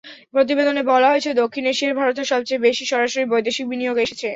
প্রতিবেদনে বলা হয়েছে, দক্ষিণ এশিয়ায় ভারতে সবচেয়ে বেশি সরাসরি বৈদেশিক বিনিয়োগ এসেছে।